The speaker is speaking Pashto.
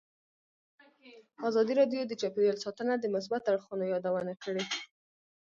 ازادي راډیو د چاپیریال ساتنه د مثبتو اړخونو یادونه کړې.